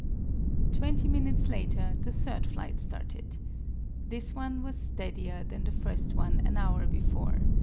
Twenty minutes later the third flight started. This one was steadier than the first one an hour before.